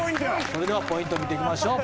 それではポイント見ていきましょう。